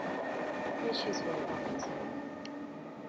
Her shoes were white.